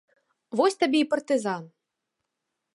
Вось табе і партызан.